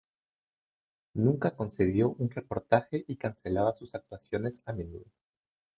Nunca concedió un reportaje y cancelaba sus actuaciones a menudo.